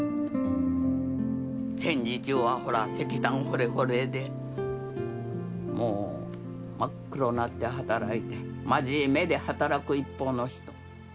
戦時中はほら石炭掘れ掘れでもう真っ黒なって働いて真面目で働く一方の人。